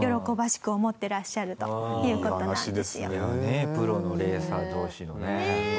ねっプロのレーサー同士のね。